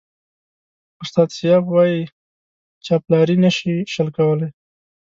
استاد سياف وایي چاپلاري نشي شل کولای.